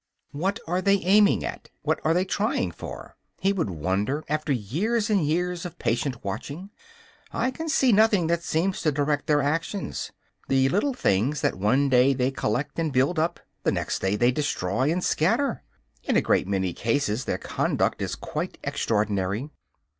"What are they aiming at, what are they trying for?" he would wonder, after years and years of patient watching. "I can see nothing that seems to direct their actions. The little things that one day they collect and build up, the next they destroy and scatter. In a great many cases their conduct is quite extraordinary.